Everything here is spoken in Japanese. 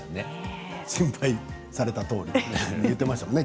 心配されたとおり言っていましたね